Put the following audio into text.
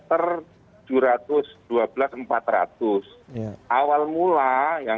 awal mula yang kami dapat informasi itu